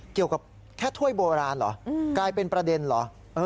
เกี่ยวกับแค่ถ้วยโบราณเหรอกลายเป็นประเด็นเหรอ